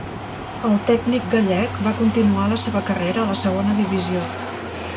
El tècnic gallec va continuar la seva carrera a la Segona Divisió.